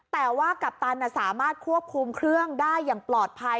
แต่ว่ากัปตันสามารถควบคุมเครื่องได้อย่างปลอดภัย